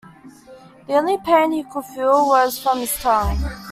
The only pain he could feel was from his tongue.